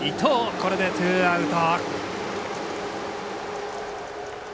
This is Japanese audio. これでツーアウト。